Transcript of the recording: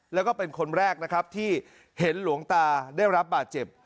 แล้วก็เป็นคนแรกนะครับที่เห็นหลวงตาได้รับบาดเจ็บ